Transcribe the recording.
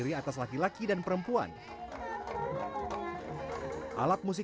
ya itu tapi fungal tanpa jantung allein okelita